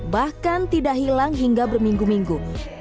bahkan tidak hilang hingga berminggu minggu